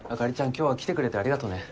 今日は来てくれてありがとね